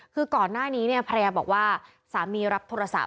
คือก่อนหน้านี้เนี่ยภรรยาบอกว่าสามีรับโทรศัพท์